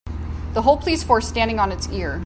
The whole police force standing on it's ear.